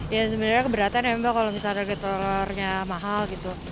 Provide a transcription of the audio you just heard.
ya sebenarnya keberatan ya mbak kalau misalnya harga telurnya mahal gitu